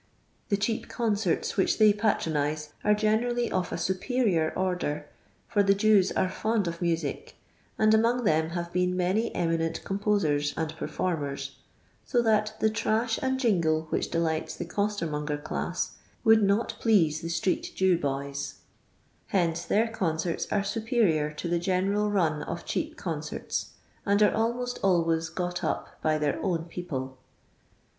The cheap concerts which they patronize are generally of a superior order, for the Jews nrc fond of music, and among them have been many eminent composers and performers, so that the trash and jingle which delights the costermon ger class would not please the street Jew boys ; hence their eoncerti are luperior to the general nin of cheap concerts, and are almost alwayi " got up by their own people.